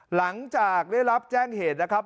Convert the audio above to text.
หลังจากได้รับแจ้งเหตุนะครับ